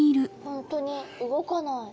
本当に動かない。